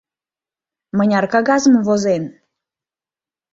Мыняр кагазым возен?